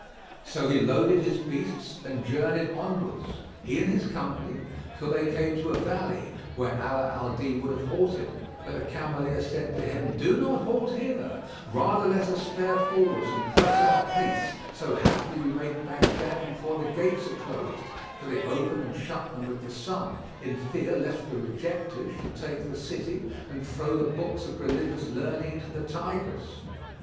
So he loaded his beasts and journeyed onwards, he and his company, till they came to a valley, where Ala al Din would have halted, but the Cameleer said to him, "Do not halt here; rather let us fare forwards and press our pace, so haply we make Baghdad before the gates are closed, for they open and shut them with the sun, in fear lest the Rejectors[FN#47] should take the city and throw the books of religious learning into the Tigris."